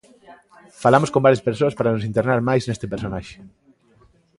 Falamos con varias persoas para nos internar máis neste personaxe.